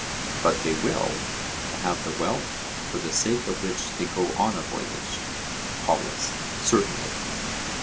—But they will, to have the wealth for the sake of which they go on a voyage. POLUS: Certainly.